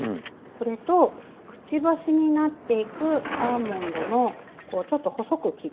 それとくちばしになっていくアーモンドのちょっと細く切ったものですね。